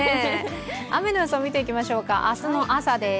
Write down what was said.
雨の予想見ていきましょうか、明日の朝です。